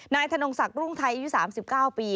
นายถนนกศักดิ์รุ่งไทยอายุ๓๙ปี